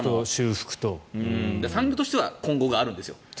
産業としては今後があるんですよ。